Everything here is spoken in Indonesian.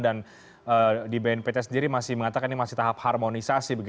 dan di bnpt sendiri masih mengatakan ini masih tahap harmonisasi